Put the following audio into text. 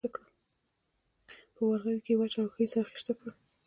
په ورغوي کې یې واچولې او ښه یې سره خیشته کړل.